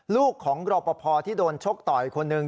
ลูกของรอปภที่โดนชกต่อยคนหนึ่ง